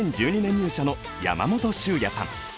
入社の山本秀哉さん。